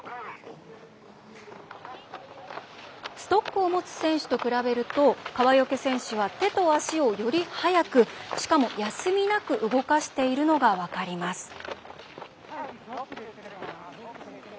ストックを持つ選手と比べると川除選手は、手と足をより早くしかも休みなく動かしているのが分かります。